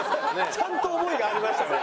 ちゃんと思いがありましたね。